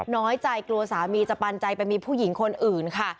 น้อยใจกลัวสามีจะปันใจไปมีผู้หญิงคนอื่นค่ะ